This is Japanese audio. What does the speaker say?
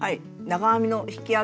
長編みの引き上げ